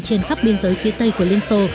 trên khắp biên giới phía tây của liên xô